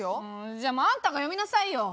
じゃあもうあんたが読みなさいよ。